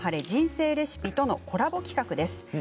人生レシピ」とのコラボ企画です。